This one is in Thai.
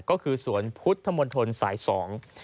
ก็คือสวนพุทธมนตรสายสอง